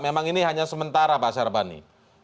memang ini hanya sementara pak sarbani